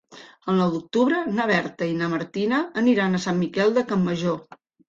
El nou d'octubre na Berta i na Martina aniran a Sant Miquel de Campmajor.